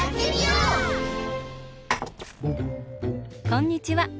こんにちは。